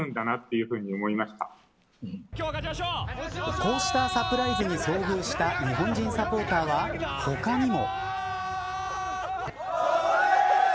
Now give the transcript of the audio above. こうしたサプライズに遭遇した日本人サポーターは他にも。